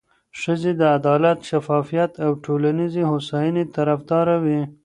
ښځې د عدالت، شفافیت او ټولنیزې هوساینې طرفداره وي.